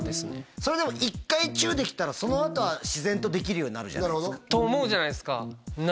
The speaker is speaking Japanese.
それでも１回チューできたらそのあとは自然とできるようになるじゃないなるほどと思うじゃないですか